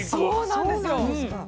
そうなんですよ。